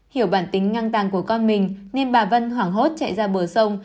hiểu bản tính ngang tàng của con mình nên bà vân hoảng hốt chạy ra bờ sông